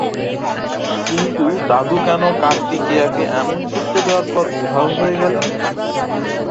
কিন্তু দাদু কেন কার্তিকেয়াকে এমন সূত্র দেয়ার পর উধাও হয়ে গেলেন?